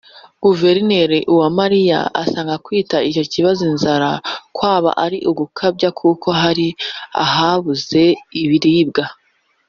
Guverineri Uwamariya asanga kwita icyo kibazo inzara kwaba ari ugukabya kuko hari ahabuze ibiribwa